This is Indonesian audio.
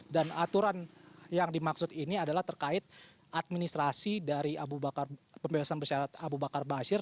dan aturan yang dimaksud ini adalah terkait administrasi dari pembebasan bersyarat abu bakar ba'asyir